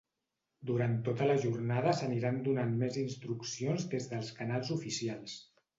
Durant tota la jornada s’aniran donant més instruccions des dels canals oficials.